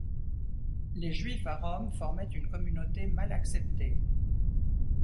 Les juifs à Rome formaient une communauté mal acceptée.